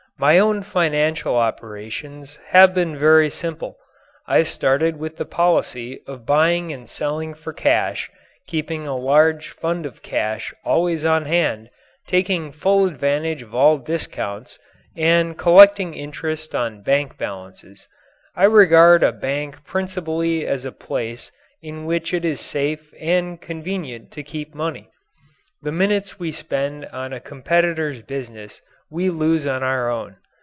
My own financial operations have been very simple. I started with the policy of buying and selling for cash, keeping a large fund of cash always on hand, taking full advantage of all discounts, and collecting interest on bank balances. I regard a bank principally as a place in which it is safe and convenient to keep money. The minutes we spend on a competitor's business we lose on our own.